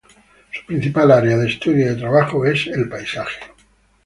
Su principal área de estudio y de trabajo es el paisaje.